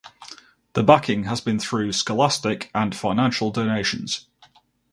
The backing has been through scholastic and financial donations.